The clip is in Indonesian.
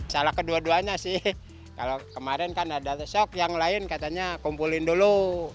salah kedua duanya sih kalau kemarin kan ada shock yang lain katanya kumpulin dulu